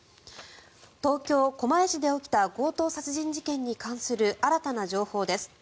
東京・狛江市で起きた強盗殺人事件に関する新たな情報です。